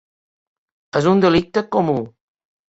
És un delicte comú.